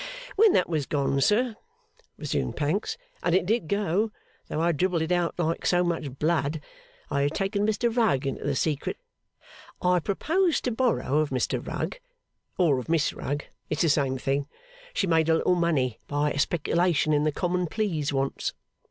'When that was gone, sir,' resumed Pancks, 'and it did go, though I dribbled it out like so much blood, I had taken Mr Rugg into the secret. I proposed to borrow of Mr Rugg (or of Miss Rugg; it's the same thing; she made a little money by a speculation in the Common Pleas once).